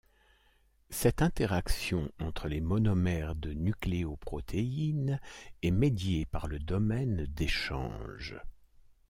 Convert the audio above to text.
Cette interaction entre les monomères de nucléoprotéine est médiée par le domaine d’échange.